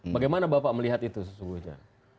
bagaimana bapak melihat itu sesungguhnya